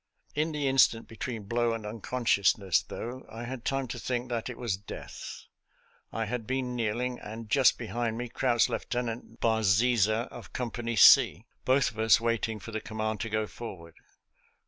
In the instant between blow and uncon sciousness, though, I had time to think that it was death. I had been kneeling, and just behind me crouched Lieutenant Barziza, of Company C, both of us waiting for the command to go for ward.